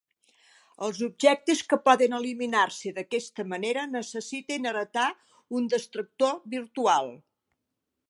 Els objectes que poden eliminar-se d'aquesta manera necessiten heretar un destructor virtual.